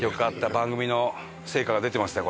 番組の成果が出てましたよ